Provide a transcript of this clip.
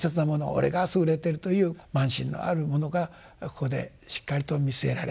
俺が優れているという慢心のある者がここでしっかりと見据えられていく。